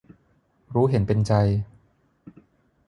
รู้เห็นเป็นใจ